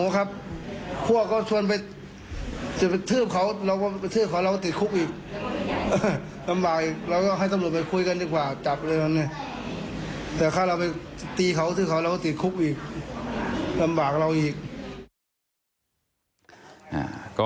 ก็รรมบากเราอีก